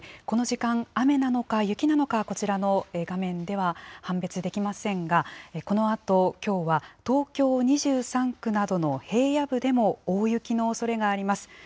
この時間、雨なのか、雪なのか、こちらの画面では判別できませんが、このあときょうは、東京２３区などの平野部でも大雪のおそれがあります。